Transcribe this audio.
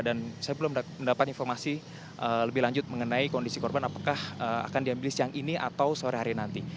dan saya belum mendapat informasi lebih lanjut mengenai kondisi korban apakah akan diambil siang ini atau sore hari nanti